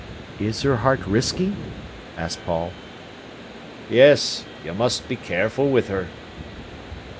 "Is her heart risky?" asked Paul. "Yes; you must be careful with her."